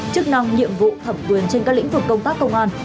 chức năng nhiệm vụ thẩm quyền trên các lĩnh vực công tác công an